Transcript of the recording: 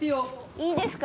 いいですか？